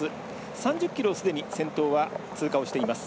３０ｋｍをすでに先頭は通過をしています。